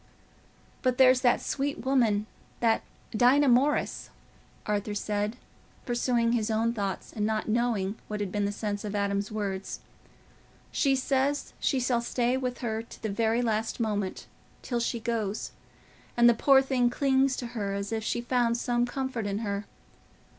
"But there's that sweet woman—that Dinah Morris," Arthur said, pursuing his own thoughts and not knowing what had been the sense of Adam's words, "she says she shall stay with her to the very last moment—till she goes; and the poor thing clings to her as if she found some comfort in her.